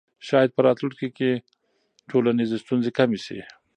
شاید په راتلونکي کې ټولنیزې ستونزې کمې سي.